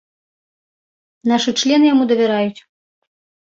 Нашы члены яму давяраюць.